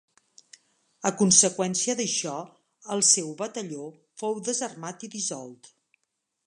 A conseqüència d'això el seu batalló fou desarmat i dissolt.